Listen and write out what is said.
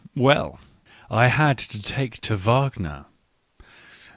Well, I had to take to Wagner.